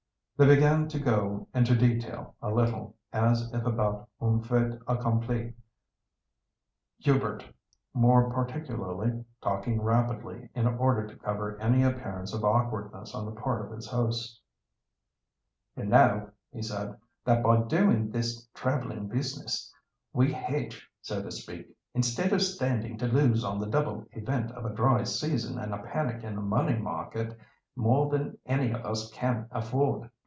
They began to go into detail a little, as if about un fait accompli, Hubert, more particularly, talking rapidly, in order to cover any appearance of awkwardness on the part of his hosts. "You know," he said, "that by doing this travelling business, we 'hedge,' so to speak, instead of standing to lose on the double event of a dry season and a panic in the money market, more than any of us can afford.